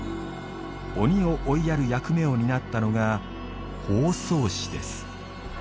鬼を追いやる役目を担ったのが方相氏です。